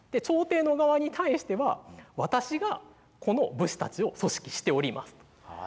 朝廷の側に対しては私がこの武士たちを組織しておりますと。